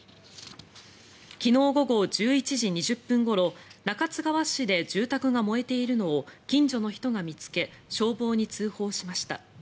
昨日午後１１時２０分ごろ中津川市で住宅が燃えているのを近所の人が見つけ消防に通報しました。